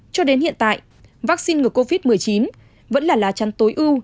cho đến hiện tại vaccine ngừa covid một mươi chín vẫn là lá chắn tối ưu